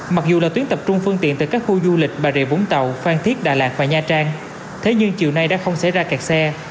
mặc dù là tuyến tập trung phương tiện từ các khu du lịch bà rịa vũng tàu phan thiết đà lạt và nha trang thế nhưng chiều nay đã không xảy ra kẹt xe